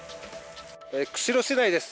釧路市内です。